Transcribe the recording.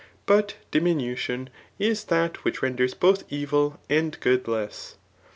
But dindnution is that which' renders both evil and good less.